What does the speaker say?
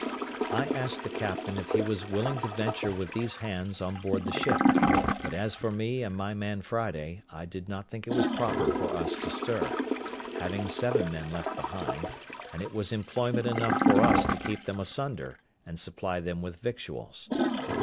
I asked the captain if he was willing to venture with these hands on board the ship; but as for me and my man Friday, I did not think it was proper for us to stir, having seven men left behind; and it was employment enough for us to keep them asunder, and supply them with victuals.